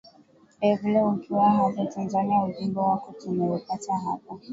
e vile ukiwa hapo tanzania ujumbe wako tumeupata hapa